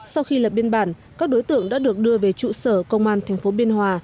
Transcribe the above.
sau khi lập biên bản các đối tượng đã được đưa về trụ sở công an tp biên hòa